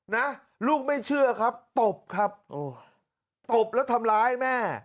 นะลูกไม่เชื่อครับตบครับโอ้ตบแล้วทำร้ายแม่